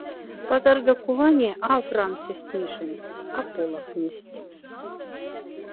Базарга-куване аф рамсесть-мишендсть, а полафнесть.